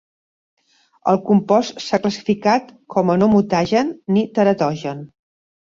El compost s'ha classificat com no mutagen ni teratogen.